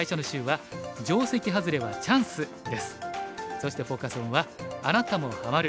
そしてフォーカス・オンは「あなたもハマる！